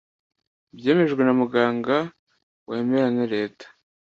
byemejwe na muganga wemewe na Leta